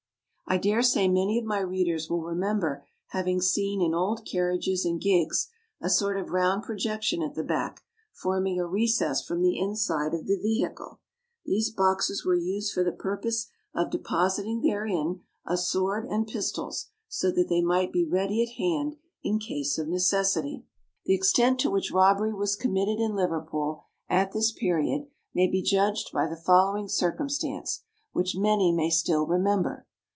I dare say many of my readers will remember having seen in old carriages and gigs, a sort of round projection at the back, forming a recess from the inside of the vehicle. These boxes were used for the purpose of depositing therein a sword and pistols, so that they might be ready at hand in case of necessity. The extent to which robbery was committed in Liverpool at this period, may be judged by the following circumstance, which many may still remember.